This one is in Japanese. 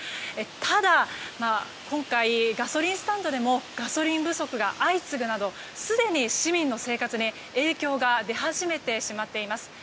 ただ、今回ガソリンスタンドでもガソリン不足が相次ぐなど、すでに市民の生活に影響が出始めてしまっています。